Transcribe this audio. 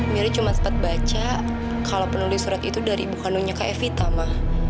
miri cuma sempat baca kalau penulis surat itu dari ibu kandungnya kak evita mah